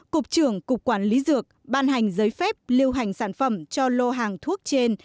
cục trưởng cục quản lý dược ban hành giấy phép lưu hành sản phẩm cho lô hàng thuốc trên